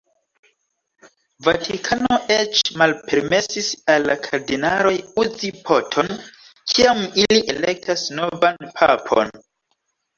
Vatikano eĉ malpermesis al la kardinaloj uzi po-ton, kiam ili elektas novan papon.